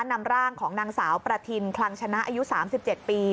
นำร่างของนางสาวประทินคลังชนะอายุ๓๗ปี